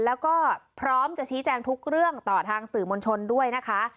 แล้วก็พร้อมจะชี้แจงทุกเรื่องต่อทางสื่อมวลชนด้วยนะคะ